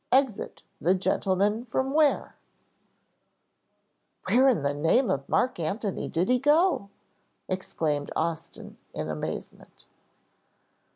"Exit, the gentlemen from where!" "Where in the name of Mark Antony did he go?" exclaimed Austin in amazement.